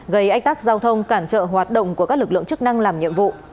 gây ách tắc giao thông cản trợ hoạt động của các lực lượng chức năng làm nhiệm vụ